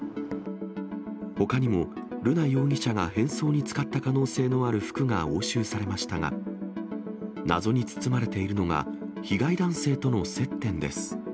ほかにも瑠奈容疑者が変装に使った可能性のある服が押収されましたが、謎に包まれているのが、被害男性との接点です。